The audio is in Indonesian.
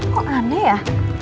kok aneh ya